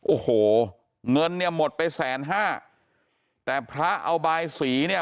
โอ้โหเงินเนี่ยหมดไปแสนห้าแต่พระเอาบายสีเนี่ย